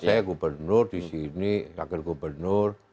saya gubernur disini rakyat gubernur